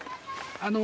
あの。